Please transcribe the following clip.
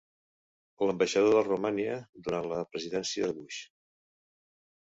L'ambaixador de Romania durant la presidència de Bush.